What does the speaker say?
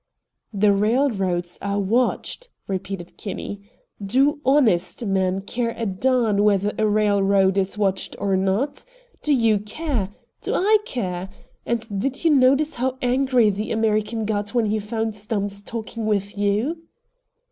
"The railroads are watched," repeated Kinney. "Do HONEST men care a darn whether the railroad is watched or not? Do you care? Do I care? And did you notice how angry the American got when he found Stumps talking with you?"